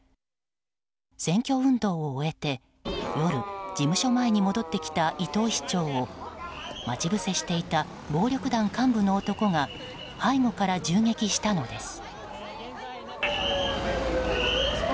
選挙運動を終えて夜、事務所前に戻ってきた伊藤市長を待ち伏せしていた暴力団幹部の男が背後から銃撃したのです。